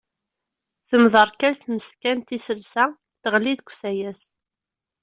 Temḍerkal tmeskant iselsa, teɣli deg usayes.